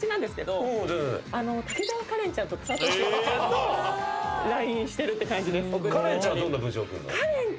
滝沢カレンちゃんと佐藤栞里ちゃんとＬＩＮＥしてるって感じです。